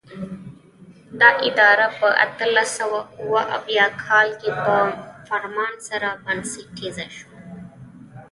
دا اداره په اتلس سوه اوه اویا کال کې په فرمان سره بنسټیزه شوه.